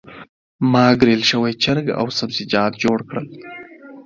ما ګرل شوي چرګ او سبزیجات جوړ کړل.